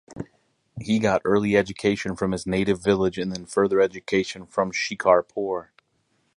He got early education from his native village and then further education from Shikarpur.